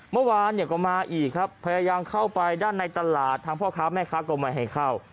เมื่อวานเนี่ยก็มาอีกครับพยายามเข้าไปด้านในตลาดทางพ่อค้าแม่ค้าก็ไม่ให้เข้า